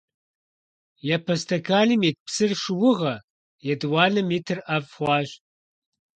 Япэ стэканым ит псыр шыугъэ, етӀуанэм итыр ӀэфӀ хъуащ.